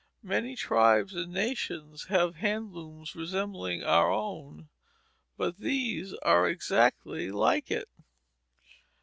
Many tribes and nations have hand looms resembling our own; but these are exactly like it.